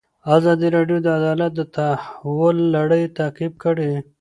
ازادي راډیو د عدالت د تحول لړۍ تعقیب کړې.